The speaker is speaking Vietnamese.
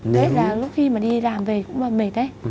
đấy là lúc khi mà đi làm về cũng mệt ấy